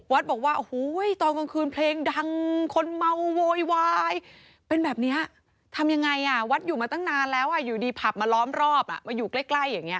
บอกว่าโอ้โหตอนกลางคืนเพลงดังคนเมาโวยวายเป็นแบบนี้ทำยังไงอ่ะวัดอยู่มาตั้งนานแล้วอยู่ดีผับมาล้อมรอบมาอยู่ใกล้อย่างนี้